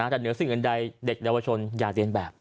แต่เหนือสิ่งอื่นใดเด็กเยาวชนอย่าเรียนแบบ